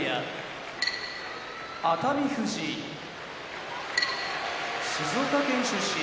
熱海富士静岡県出身